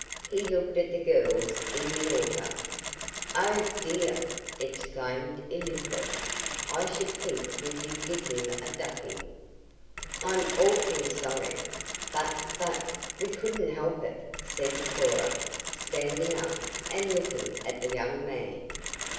He looked at the girls in the auto. "Oh, dear!" exclaimed Elizabeth. "I should think we did give him a ducking!" "I'm awfully sorry, but but we couldn't help it," said Cora, standing up and looking at the young man.